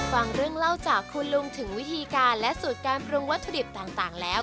ฟังเรื่องเล่าจากคุณลุงถึงวิธีการและสูตรการปรุงวัตถุดิบต่างแล้ว